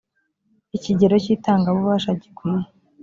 ikigero cy itanga bubasha gikwiye